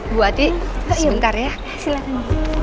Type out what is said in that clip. buat sebentar ya silakan